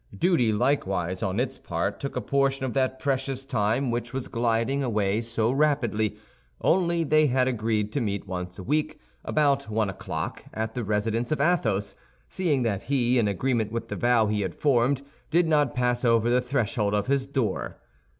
Duty likewise on its part took a portion of that precious time which was gliding away so rapidly—only they had agreed to meet once a week, about one o'clock, at the residence of Athos, seeing that he, in agreement with the vow he had formed, did not pass over the threshold of his door.